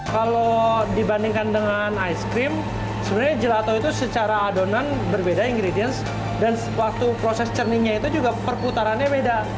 kalau dibandingkan dengan ice cream sebenarnya gelato itu secara adonan berbeda ingredients dan waktu proses cerningnya itu juga perputarannya beda